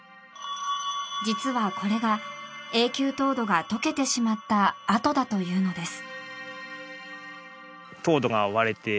実は、これが永久凍土が解けてしまった跡だというのです。